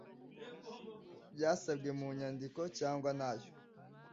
byasabwe mu nyandiko cyangwa ntayo